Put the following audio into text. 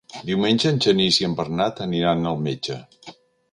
Diumenge en Genís i en Bernat aniran al metge.